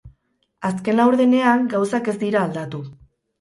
Azken laurdenean gauzak ez dira aldatu.